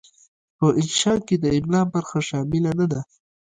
په انشأ کې د املاء برخه شامله نه ده.